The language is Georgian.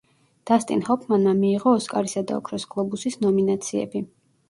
დასტინ ჰოფმანმა მიიღო ოსკარისა და ოქროს გლობუსის ნომინაციები.